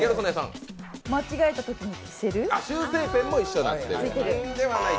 間違えたときに消せる？